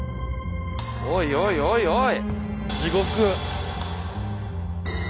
おいおいおいおい！